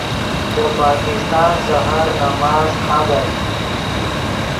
دے پاکستان سحر نماز خابت